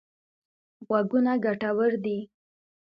غوږونه ګټور دي.